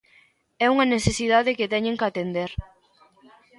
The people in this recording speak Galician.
É unha necesidade que teñen que atender.